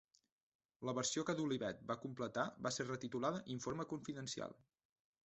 La versió que Dolivet va completar va ser retitulada "Informe confidencial".